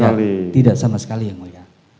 siap siap tidak sama sekali yang mulia